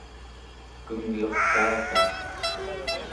kengluq taatan